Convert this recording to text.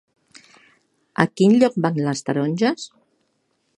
A quin lloc van les taronges?